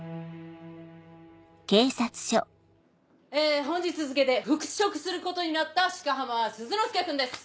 え本日付で復職することになった鹿浜鈴之介君です。